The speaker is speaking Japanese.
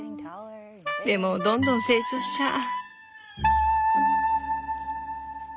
でもどんどん成長しちゃう。